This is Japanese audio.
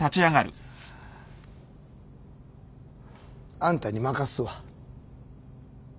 あんたに任すわ。